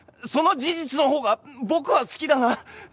その事実のほうが僕は好きだなあ。